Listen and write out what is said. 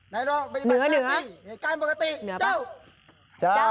นายรองบริบัตินาฬิกาในการปกติเจ้า